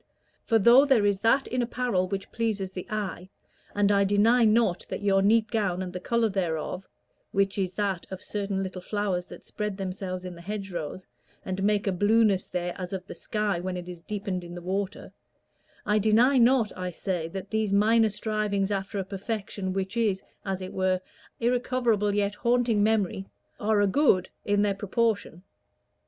For though there is that in apparel which pleases the eye, and I deny not that your neat gown and the color thereof which is that of certain little flowers that spread themselves in the hedgerows, and make a blueness there as of the sky when it is deepened in the water I deny not, I say, that these minor strivings after a perfection which is, as it were, an irrecoverable yet haunting memory, are a good in their proportion.